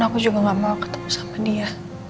aku juga gak mau ketemu sama dia